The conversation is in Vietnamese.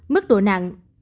mức độ nặng